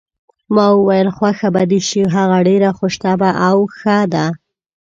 ما وویل: خوښه به دې شي، هغه ډېره خوش طبع او ښه ده.